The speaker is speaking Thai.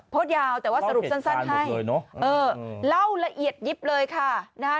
โพสต์ยาวแต่ว่าสรุปสั้นให้เนอะเออเล่าละเอียดยิบเลยค่ะนะฮะ